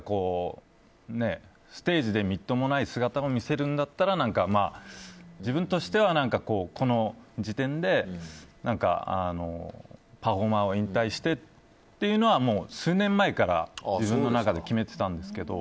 ステージでみっともない姿を見せるんだったら自分としては、この時点でパフォーマーを引退してというのは数年前から自分の中では決めていたんですけど。